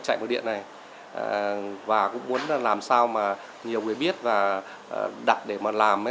chạy bằng điện này và cũng muốn làm sao mà nhiều người biết và đặt để mà làm